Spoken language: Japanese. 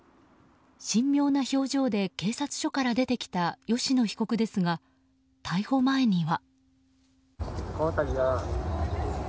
神妙な表情で警察署から出てきた吉野被告ですが逮捕前には。